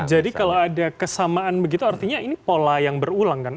jadi kalau ada kesamaan begitu artinya ini pola yang berulang kan